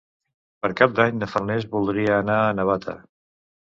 Per Cap d'Any na Farners voldria anar a Navata.